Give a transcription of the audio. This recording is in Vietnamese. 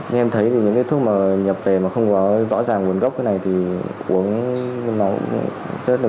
nếu không có nguồn gốc này thì uống nó cũng rất là